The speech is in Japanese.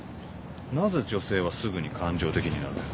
なぜ女性はすぐに感情的になる？